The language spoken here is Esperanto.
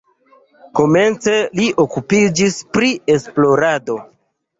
Komence li okupiĝis pri esplorado.